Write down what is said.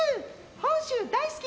本州大好き！